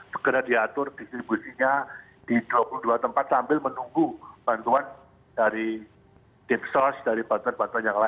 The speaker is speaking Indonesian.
segera diatur distribusinya di dua puluh dua tempat sambil menunggu bantuan dari dipsos dari bantuan bantuan yang lain